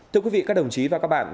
thưa quý vị các đồng chí và các bạn